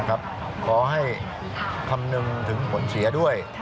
ขอให้คำนึงถึงผลเสียด้วย